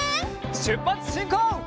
しゅっぱつしんこう！